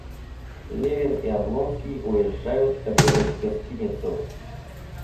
Левин и Облонский уезжают обедать в гостиницу.